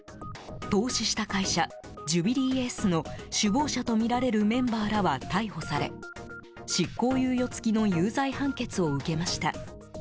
投資した会社ジュビリーエースの首謀者とみられるメンバーらは逮捕され執行猶予付きの有罪判決を受けました。